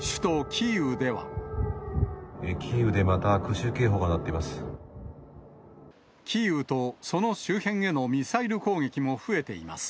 キーウでまた空襲警報が鳴っキーウとその周辺へのミサイル攻撃も増えています。